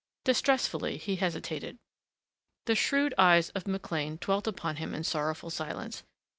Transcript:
Distressfully he hesitated. The shrewd eyes of McLean dwelt upon him in sorrowful silence.